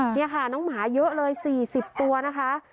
นี่ค่ะน้องหมาเยอะเลย๔๐ตัวนะคะ